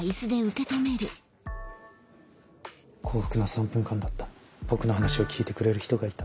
幸福な３分間だった僕の話を聞いてくれる人がいた。